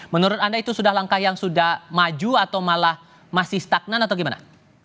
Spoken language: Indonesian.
menurut anda itu sudah langkah yang sudah maju atau malah masih stagnan atau gimana